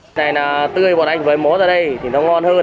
thịt này là tươi bọn anh với mổ ra đây thì nó ngon hơn